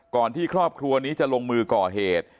ที่ครอบครัวนี้จะลงมือก่อเหตุ